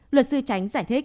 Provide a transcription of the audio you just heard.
luật sư tránh giải thích